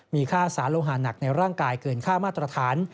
มีค่าสารโลหาหนักในร่างกายเกินค่ามาตรฐาน